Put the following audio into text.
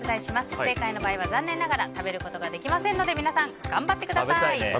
不正解の場合は残念ながら食べることができませんので皆さん頑張ってください。